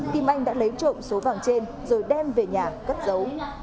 kim anh đã lấy trộm số vàng trên rồi đem về nhà cất giấu